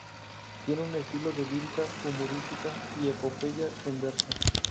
Tiene un estilo de lírica humorística y epopeya en verso.